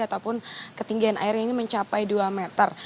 ataupun ketinggian airnya ini mencapai dua meter